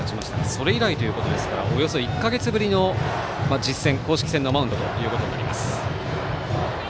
それ以来ということですからおよそ１か月ぶりの実戦公式戦のマウンドとなります。